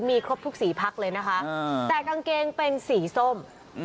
มีครบทุกสีพักเลยนะคะแต่กางเกงเป็นสีส้ม